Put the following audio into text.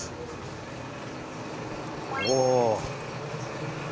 お。